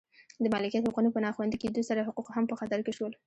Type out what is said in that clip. د مالکیت حقونو په نا خوندي کېدو سره حقوق هم په خطر کې شول